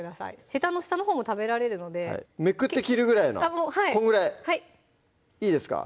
へたの下のほうも食べられるのでめくって切るぐらいのこんぐらいいいですか？